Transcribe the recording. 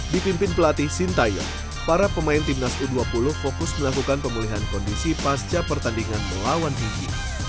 dipimpin pelatih sintayong para pemain timnas u dua puluh fokus melakukan pemulihan kondisi pasca pertandingan melawan tinggi